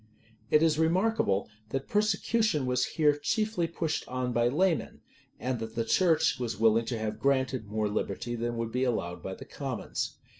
[] It is remarkable, that persecution was here chiefly pushed on by laymen; and that the church was willing to have granted more liberty than would be allowed by the commons.